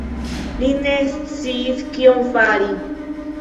Li ne sciis kion fari.